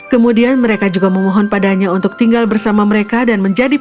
kemudian mereka juga memohon padanya untuk tinggal bersama mereka dan menjadi